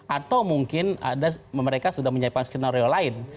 atau mungkin ada mereka sudah menyiapkan skenario lain